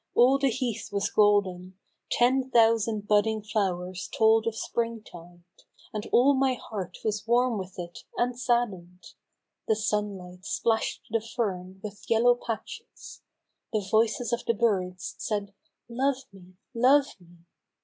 All the heath was golden, Ten thousand budding flowers told of spring tide, And all my heart was warm with it and sadden'd, The sun light splash'd the fern with yellow patches, The voices of the birds said " Love me ! Love me